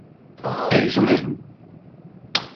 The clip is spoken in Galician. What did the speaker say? É iso mesmo.